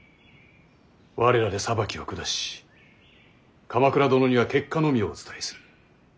我らで裁きを下し鎌倉殿には結果のみをお伝えする。